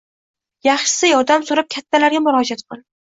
Yaxshisi yordam so‘rab kattalarga murojaat qil.